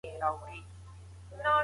اسلامي تاریخ د عدل او انصاف څخه ډک دی.